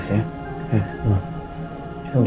saya baik baik saja